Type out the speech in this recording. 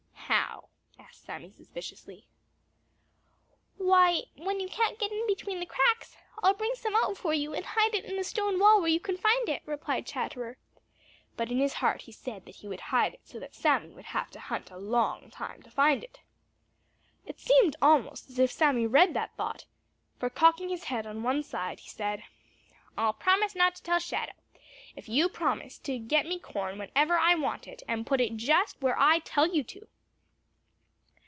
"How?" asked Sammy suspiciously. "Why, when you can't get it between the cracks, I'll bring some out for you and hide it in the stone wall where you can find it," replied Chatterer. But in his heart he said that he would hide it so that Sammy would have to hunt a long time to find it. It seemed almost as if Sammy read that thought, for cocking his head on one side, he said: "I'll promise not to tell Shadow, if you'll promise to get me corn whenever I want it and put it just where I tell you to."